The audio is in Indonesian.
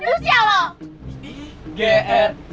siapa juga yang mau